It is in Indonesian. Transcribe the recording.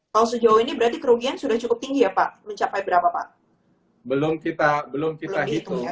kalau sejauh ini berarti kerugian sudah cukup tinggi ya pak